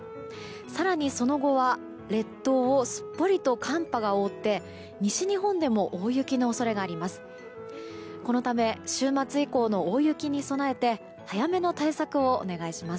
更に、その後は列島をすっぽりと寒波が覆って西日本でも大雪の恐れがあります。